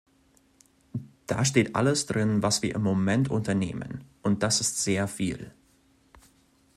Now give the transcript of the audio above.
Da steht alles drin, was wir im Moment unternehmen, und das ist sehr viel.